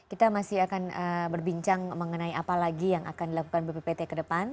kita masih akan berbincang mengenai apa lagi yang akan dilakukan bppt ke depan